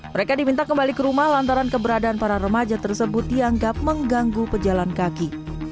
mereka diminta kembali ke rumah lantaran keberadaan para remaja tersebut dianggap mengganggu pejalan kaki